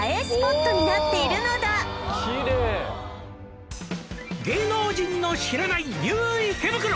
スポットになっているのだ「芸能人の知らないニュー池袋」